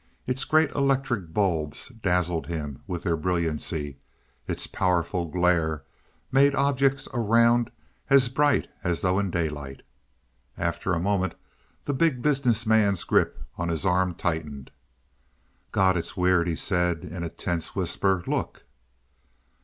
Its great electric bulbs dazzled him with their brilliancy; its powerful glare made objects around as bright as though in daylight. After a moment the Big Business Man's grip on his arm tightened. "God, it's weird!" he said in a tense whisper. "Look!"